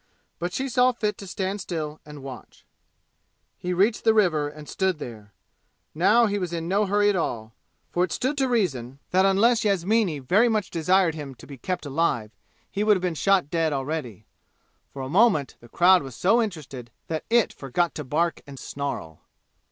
But she saw fit to stand still and watch. He reached the river and stood there. Now he was in no hurry at all, for it stood to reason that unless Yasmini very much desired him to be kept alive he would have been shot dead already. For a moment the crowd was so interested that it forgot to bark and snarl.